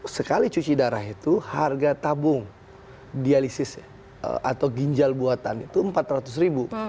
sekali cuci darah itu harga tabung dialisis atau ginjal buatan itu empat ratus ribu